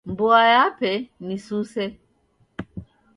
Mboa yape ni suse.